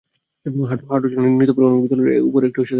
হাঁটু যেন নিতম্বের অনুভূমিক তলের একটু ওপরে থাকে, সেটা দেখতে হবে।